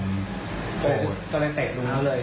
ก็เลยเตะตรงนั้นแล้วเลย